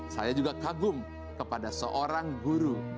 saya juga kagum kepada seorang guru